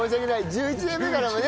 １１年目からもね